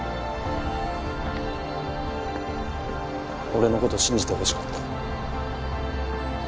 俺の事信じてほしかった。